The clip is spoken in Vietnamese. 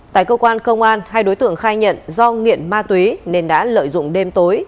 tại cơ quan công an hai đối tượng khai nhận do nghiện ma túy nên đã lợi dụng đêm tối